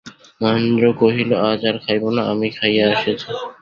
মহেন্দ্র কহিল, আজ আর খাইব না, আমি খাইয়া আসিয়াছি।